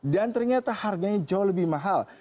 dan ternyata harganya jauh lebih mahal